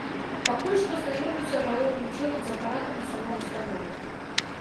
Пакуль што знаёмлюся галоўным чынам з апаратам у самой установе.